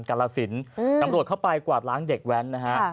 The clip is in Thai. กราศิลป์ตำรวจเข้าไปกวาดล้างเด็กแว้นนะครับ